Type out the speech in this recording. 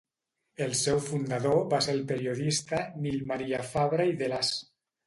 El seu fundador va ser el periodista Nil Maria Fabra i Delàs.